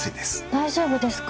大丈夫ですか？